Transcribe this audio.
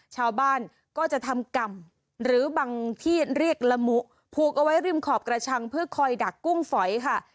ชาวบ้านก็จะทำก่ำหรือบางที่เรียกละมุผูกเอาไว้ริมขอบกระชังเพื่อคอยดักกุ้งฝอยค่ะ